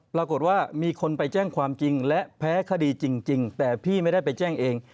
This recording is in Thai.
ปรากฏว่ามีคนไปแจ้งความจริงและแพ้คดีจริงแต่พี่ไม่ได้ไปแจ้งเอง